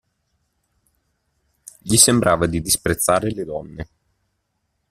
Gli sembrava di disprezzare le donne.